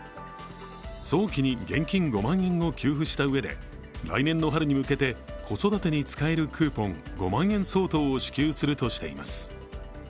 早期に現金５万円を給付したうえで来年の春に向けて子育てに使えるクーポン５万円相当を支給するとしています。